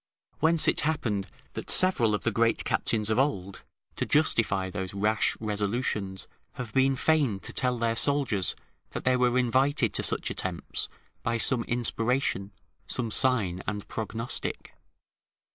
Whence it happened that several of the great captains of old, to justify those rash resolutions, have been fain to tell their soldiers that they were invited to such attempts by some inspiration, some sign and prognostic.